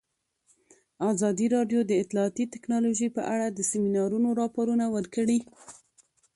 ازادي راډیو د اطلاعاتی تکنالوژي په اړه د سیمینارونو راپورونه ورکړي.